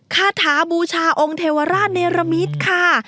คาถาบูชาองค์เทวราชเนรมิตค่ะ